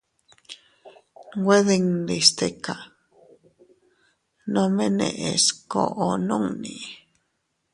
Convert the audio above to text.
Nwe dindi stika, nome neʼes koʼo nunni.